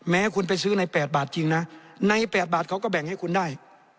แม้คุณไปซื้อใน๘บาทจริงนะใน๘บาทเขาก็แบ่งให้คุณได้